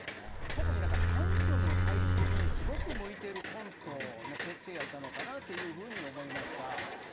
特に３分のサイズにすごく向いているコントの設定やったのかなと思いました。